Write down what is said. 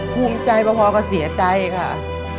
ภูมิใจพอก็เสียใจค่ะ